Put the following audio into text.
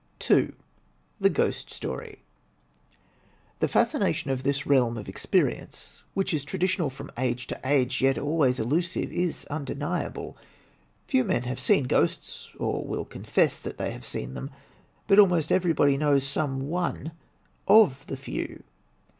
2, The Ghost Story The fascination of this realm of experience, which is tra ditional from age to age, yet always elusive, is undeniable. Few men have seen ghosts, or will confess that they have seen them. But almost everybody knows some one of the few.